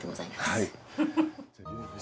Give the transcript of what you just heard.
はい。